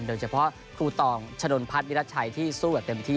โดยเฉพาะครูตองชะดลพัดอิรัตชัยที่สู้กับเต็มที่